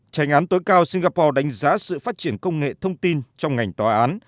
trành án tối cao singapore đánh giá sự phát triển công nghệ thông tin trong ngành tòa án